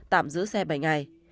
tạm giữ xe bảy ngày